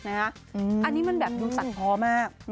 อันนี้มันแบบรู้สึกพอมาก